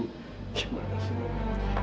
gimana sih mama